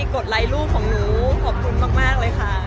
กดไลค์ลูกของหนูขอบคุณมากเลยค่ะ